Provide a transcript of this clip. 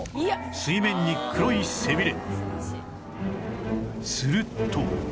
水面に黒い背びれ